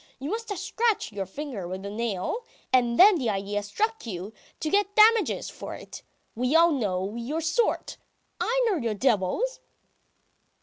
You must have scratched your finger with a nail, and then the idea struck you to get damages for it. We all know ... your sort! I know you devils!"